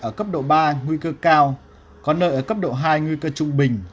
ở cấp độ ba nguy cơ cao có nơi ở cấp độ hai nguy cơ trung bình